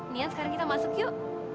niat sekarang kita masuk yuk